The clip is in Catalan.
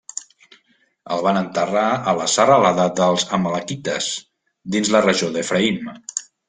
El van enterrar a la serralada dels amalequites, dins la regió d'Efraïm.